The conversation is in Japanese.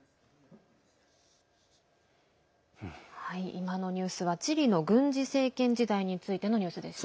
今のニュースはチリの軍事政権時代についてのニュースでした。